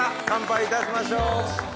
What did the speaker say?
乾杯いたしましょう。